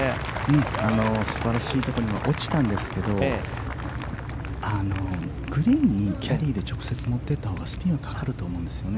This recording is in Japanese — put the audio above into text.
すばらしいところに落ちたんですけどグリーンにキャリーで直接持って行ったほうがスピンはかかると思うんですよね。